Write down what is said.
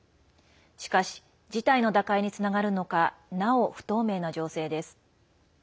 しかし事態の打開につながるのかなお不透明な情勢です。